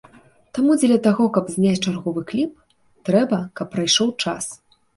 Таму дзеля таго, каб зняць чарговы кліп, трэба, каб прайшоў час.